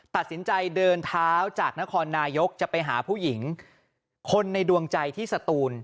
ตัดสินใจเดินเท้าจากนครนายกจะไปหาผู้หญิงคนในดวงใจที่สตูน